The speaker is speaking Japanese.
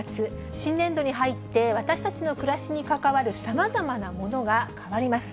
新年度に入って、私たちの暮らしに関わるさまざまなものが変わります。